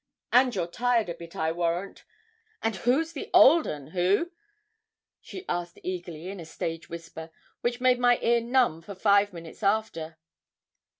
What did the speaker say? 'And you're tired a bit, I warrant; and who's the old 'un, who?' she asked eagerly, in a stage whisper, which made my ear numb for five minutes after.